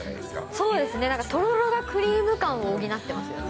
そうですね、なんかとろろがクリーム感を補ってますよね。